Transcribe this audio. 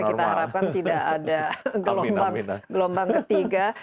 kita harapkan tidak ada gelombang ketiga